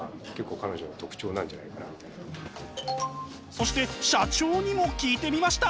そして社長にも聞いてみました。